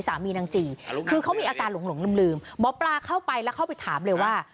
สามีนางจีคือเขามีอาการหลงลืมหมอปลาเข้าไปแล้วเข้าไปถามเลยว่า